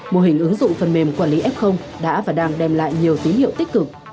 mô hình ứng dụng phần mềm quản lý f đã và đang đem lại nhiều tín hiệu tích cực